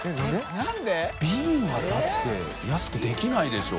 燭如ビールはだって安くできないでしょ。